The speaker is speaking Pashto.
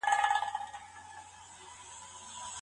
دا درمل یوازې هغو ناروغانو ته د ټول عمر لپاره دي چې اړتیا لري.